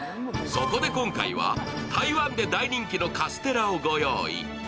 そこで今回は台湾で大人気のカステラを御用意。